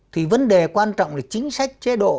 thì vấn đề quan trọng là chính sách chế độ